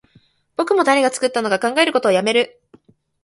僕も誰が作ったのか考えることをやめる